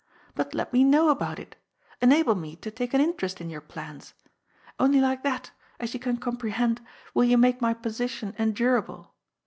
But let me know about it. Enable me to take an interest in your plans. Only like that, as you can comprehend, will you make my position endurable.